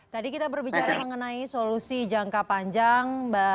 tadi kita berbicara mengenai solusi jangka panjang